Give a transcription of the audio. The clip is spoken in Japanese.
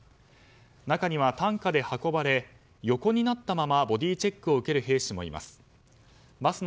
中には、担架で運ばれ横になったままボディーチェックを受ける兵士もいます。